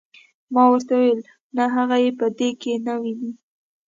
ما ورته وویل نه هغه یې په دې کې نه ویني.